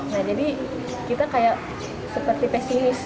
nah jadi kita kayak seperti pesimis